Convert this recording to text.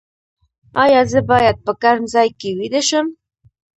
ایا زه باید په ګرم ځای کې ویده شم؟